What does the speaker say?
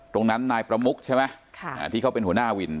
ตรงนั้นนายประมุกใช่ไหมค่ะอ่าที่เขาเป็นหัวหน้าวิน